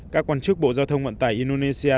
các quan chức bộ giao thông vận tải indonesia